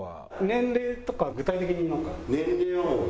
年齢とか具体的になんか。